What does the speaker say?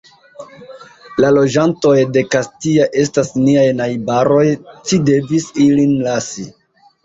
La loĝantoj de Kastia estas niaj najbaroj, ci devis ilin lasi.